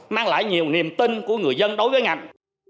mang lại nhiều niềm tin của người dân đối với ngành